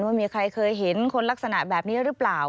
ว่ามีใครเคยเห็นคนลักษณะแบบนี้หรือเปล่า